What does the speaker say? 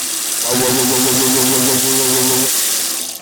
Hmai ah kar khat kal tuah.